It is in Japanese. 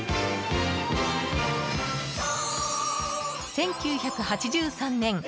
１９８３年